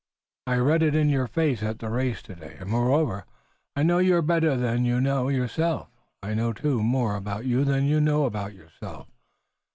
I read it in your face at the race today, and moreover, I know you better than you know yourself. I know, too, more about you than you know about yourself.